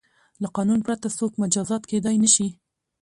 له قانون پرته څوک مجازات کیدای نه شي.